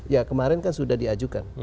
ya kemarin kan sudah diajukan